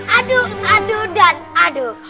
aduh aduh dan aduh